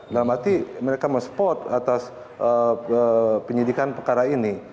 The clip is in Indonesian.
dalam arti mereka men support atas penyidikan perkara ini